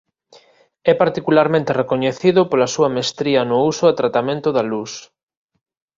É particularmente recoñecido pola súa mestría no uso e tratamento da luz.